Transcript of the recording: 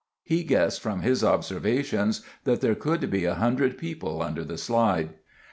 He guessed, from his observations, that there could be 100 people under the slide.